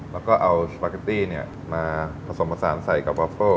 แล้วก็เอาชอปปะตีเนี้ยมาผสมผสานใส่กับวัฟเฟอร์